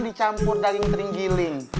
dicampur daging terenggiling